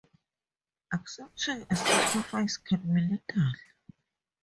Accepting a sacrifice can be lethal.